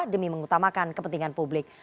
demi mengutamakan kepentingan publik